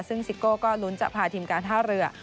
ซึ่งซิโก้ก็ลุ้นจะพาทีมการท่าเรือ